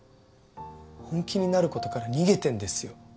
本気になることから逃げてんですよ！